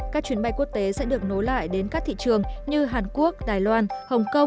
các chuyến bay quốc tế sẽ được nối lại đến các thị trường như hàn quốc đài loan hồng kông